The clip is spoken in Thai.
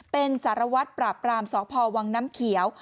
เป็นสารวัตรปราบปรามสพวังน้ำเขียว